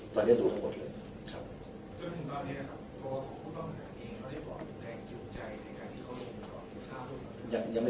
ตอนนี้ดูทั้งหมดเลย